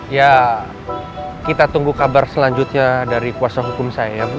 ya kita tunggu kabar selanjutnya dari kuasa hukum saya